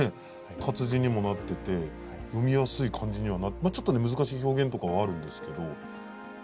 活字にもなってて読みやすい漢字にはちょっとね難しい表現とかはあるんですけど。